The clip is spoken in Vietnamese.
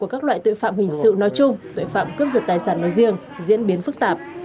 các loại tội phạm hình sự nói chung tội phạm cướp giật tài sản nói riêng diễn biến phức tạp